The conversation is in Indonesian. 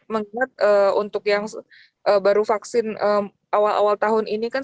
mengingat untuk yang baru vaksin awal awal tahun ini kan